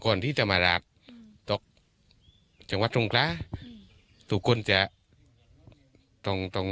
ก่อนที่จะมารับตกจังหวัดทรงคลาตุกคุณจะตรงตรง